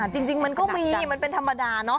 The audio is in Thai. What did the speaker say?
จริงมันก็มีมันเป็นธรรมดาเนาะ